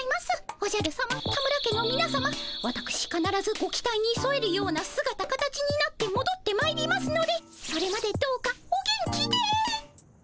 おじゃるさま田村家のみなさまわたくしかならずご期待にそえるようなすがた形になってもどってまいりますのでそれまでどうかお元気で。